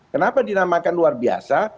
kenapa dinamakan luar biasa